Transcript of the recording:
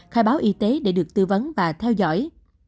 khai báo y tế để được tư vấn và theo dõi